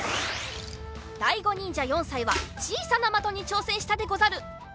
だいごにんじゃ４さいはちいさなまとにちょうせんしたでござる。